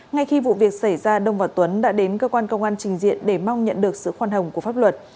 ngay khi vụ việc xảy ra đông và tuấn đã đến cơ quan công an trình diện để mong nhận được sự khoan hồng của pháp luật